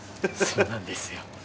そうなんですよ。